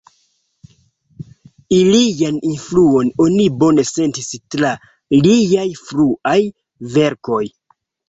Ilian influon oni bone sentis tra liaj fruaj verkoj.